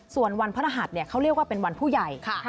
ส่วนวันพระรหัสเขาเรียกว่าเป็นวันผู้ใหญ่